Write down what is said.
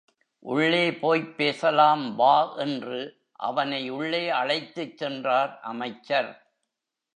உள்ளே போய்ப் பேசலாம் வா என்று அவனை உள்ளே அழைத்துச் சென்றார் அமைச்சர்.